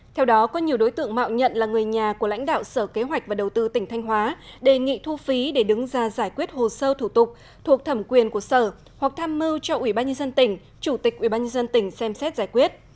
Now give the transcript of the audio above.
theo đó có nhiều đối tượng mạo nhận là người nhà của lãnh đạo sở kế hoạch và đầu tư tỉnh thanh hóa đề nghị thu phí để đứng ra giải quyết hồ sơ thủ tục thuộc thẩm quyền của sở hoặc tham mưu cho ủy ban nhân dân tỉnh chủ tịch ubnd tỉnh xem xét giải quyết